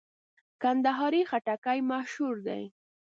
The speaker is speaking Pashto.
کندهاري خټکی مشهور دی.